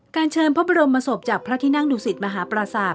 การเชิญพระบรมมศพจากพระทินางดุสิตมหาปราสาท